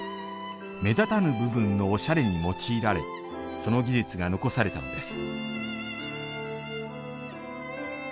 目立たぬ部分のおしゃれに用いられその技術が残されたのです。